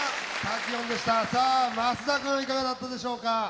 さあ増田君いかがだったでしょうか。